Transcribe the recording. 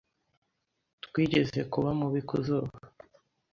Twigeze kuba mubi ku zuba